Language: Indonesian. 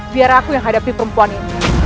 biar aku yang hadapi perempuan ini